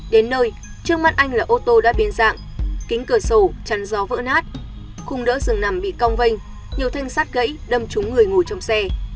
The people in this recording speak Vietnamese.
đến nơi trước mắt anh là ô tô đã biến dạng kính cửa sổ chắn gió vỡ nát khung đỡ rừng nằm bị cong vênh nhiều thanh sát gãy đâm trúng người ngồi trong xe